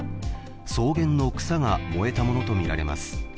草原の草が燃えたものとみられます。